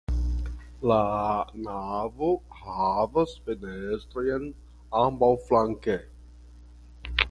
La navo havas fenestrojn ambaŭflanke.